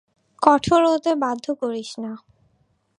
কঠোর হতে বাধ্য করিস না।